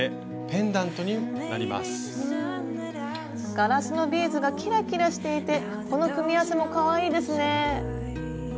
ガラスのビーズがキラキラしていてこの組み合わせもかわいいですね！